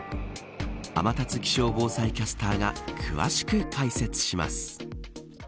天達気象防災キャスターが詳しく解説します。